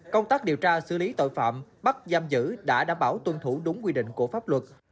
công tác điều tra xử lý tội phạm bắt giam giữ đã đảm bảo tuân thủ đúng quy định của pháp luật